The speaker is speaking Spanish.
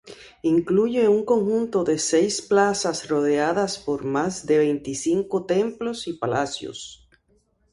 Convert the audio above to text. Incluye un conjunto de seis plazas rodeadas por más de veinticinco templos y palacios.